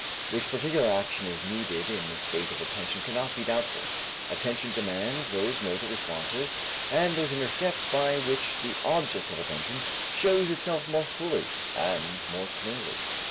Which particular action is needed in the state of attention cannot be doubtful. Attention demands those motor responses and those inner steps by which the object of attention shows itself more fully and more clearly.